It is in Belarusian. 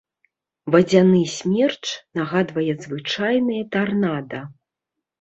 Вадзяны смерч нагадвае звычайнае тарнада.